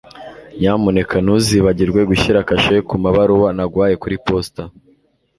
nyamuneka ntuzibagirwe gushyira kashe kumabaruwa naguhaye kuri posita